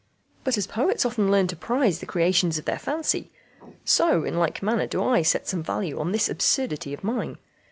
But as poets often learn to prize the creations of their fancy, so in like manner do I set some value on this absurdity of mine.